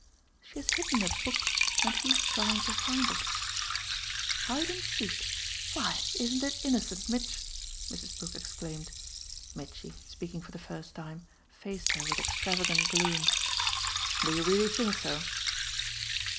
"She has hidden a book and he's trying to find it." "Hide and seek? Why, isn't it innocent, Mitch!" Mrs. Brook exclaimed. Mitchy, speaking for the first time, faced her with extravagant gloom. "Do you really think so?"